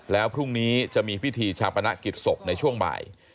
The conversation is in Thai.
แล้วพรุ่งนี้จะมีพิธีชาปนกิจศพในช่วงบ่าย